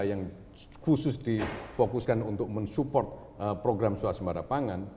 yang khusus difokuskan untuk mensupport program suasembada pangan